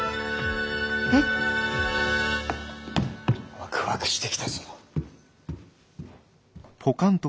ワクワクしてきたぞ。